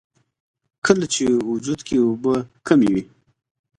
کله چې وجود کښې اوبۀ کمې وي